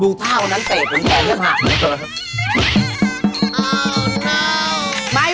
ดูต้าน้ำเตจเหมือนกันออก